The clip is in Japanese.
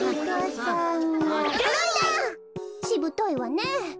しぶといわねえ。